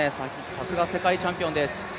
さすが世界チャンピオンです。